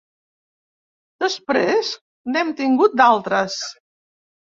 Després n’hem tingut d’altres.